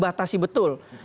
yang sangat dibatasi betul